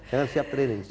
jangan siap training